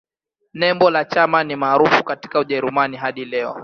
Nembo la chama ni marufuku katika Ujerumani hadi leo.